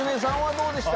どうした？